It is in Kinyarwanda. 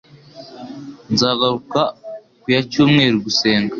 Nzagaruka ku ya cyumweru gusenga